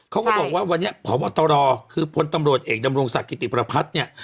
เขาก็บอกว่าวันนี้พบตรคือพลตำรวจเอกดำรงศักดิติประพัฒน์เนี่ย